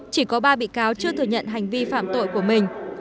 chỉ có ba bị cáo chưa thừa nhận hành vi phạm tội của mình